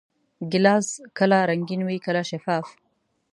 ګیلاس کله رنګین وي، کله شفاف.